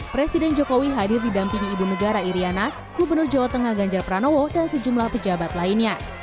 presiden jokowi hadir didampingi ibu negara iryana gubernur jawa tengah ganjar pranowo dan sejumlah pejabat lainnya